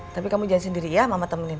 tapi kamu jalan sendiri ya mama temenin